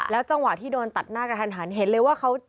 จังหวะที่โดนตัดหน้ากระทันหันเห็นเลยว่าเขา